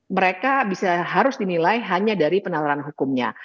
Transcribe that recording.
mereka bisa harus dinilai hanya dari penalaran hukumnya